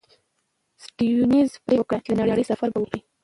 سټيونز پرېکړه وکړه چې د نړۍ سفر به وکړي.